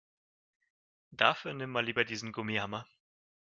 Dafür nimm mal lieber diesen Gummihammer.